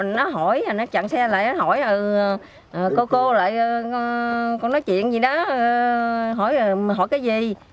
nó hỏi nó chặn xe lại nó hỏi cô cô lại con nói chuyện gì đó hỏi cái gì